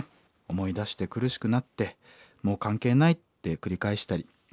思い出して苦しくなってもう関係ないって繰り返したり。